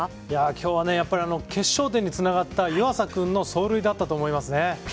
きょうは決勝点につながった湯浅君の走塁だったと思います。